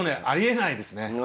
ありえないですね。